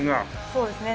そうですね。